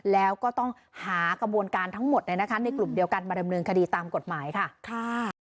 แล้วก็ต้องหากระบวนการทั้งหมดในกลุ่มเดียวกันมาดำเนินคดีตามกฎหมายค่ะ